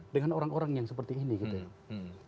dengan orang orang yang seperti ini gitu ya